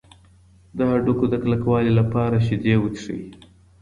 د هډوکو د کلکوالي لپاره شیدې وڅښئ.